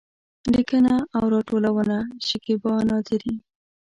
لیکنه او راټولونه: شکېبا نادري